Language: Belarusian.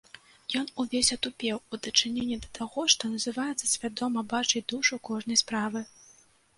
Ён увесь атупеў у дачыненні да таго, што называецца свядома бачыць душу кожнай справы.